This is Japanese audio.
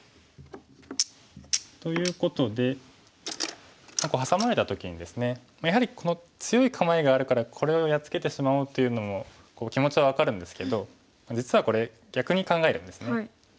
ということでハサまれた時にですねやはりこの強い構えがあるからこれをやっつけてしまおうというのも気持ちは分かるんですけど実はこれ逆に考えるんですね。